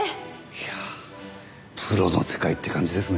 いやプロの世界って感じですね。